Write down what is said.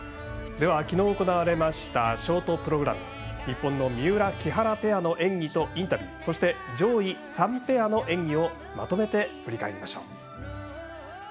では、きのう行われましたショートプログラム日本の三浦、木原ペアのインタビューそして上位３ペアの演技をまとめて振り返りましょう。